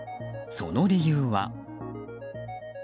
その理由は。